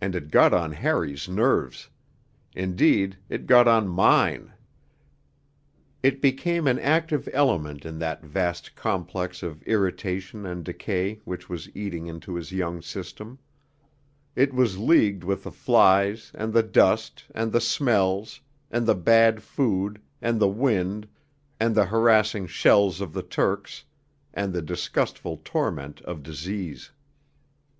And it got on Harry's nerves; indeed, it got on mine. It became an active element in that vast complex of irritation and decay which was eating into his young system; it was leagued with the flies, and the dust, and the smells, and the bad food, and the wind, and the harassing shells of the Turks, and the disgustful torment of disease.